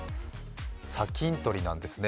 砂金採りなんですね。